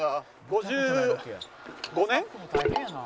５５年？